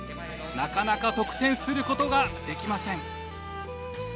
なかなか得点することができません。